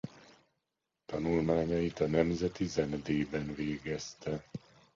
Tanulmányait a Nemzeti Zenedében végezte.